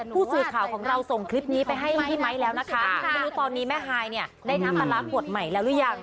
ผู้สื่อข่าวของเราส่งคลิปนี้ไปให้พี่ไมค์แล้วนะคะไม่รู้ตอนนี้แม่ฮายเนี่ยได้น้ำมารับบทใหม่แล้วหรือยัง